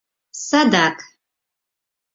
Садак!